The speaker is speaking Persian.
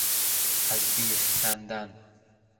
از بیخ کندن